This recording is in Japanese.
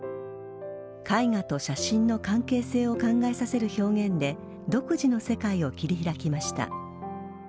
絵画と写真の関係性を考えさせる表現で独自の世界を切り開きました。